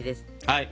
はい。